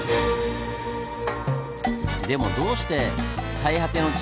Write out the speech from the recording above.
でもどうして「最果ての地」